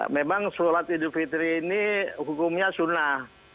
memang sholat idul fitri ini hukumnya sunnah